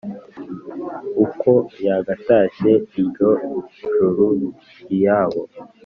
Ukwo yagatashye ilyo juru lyabo,